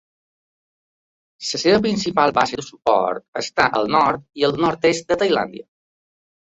La seva principal base de suport està al nord i el nord-est de Tailàndia.